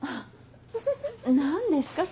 何ですか？